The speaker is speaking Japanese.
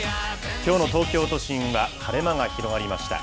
きょうの東京都心は晴れ間が広がりました。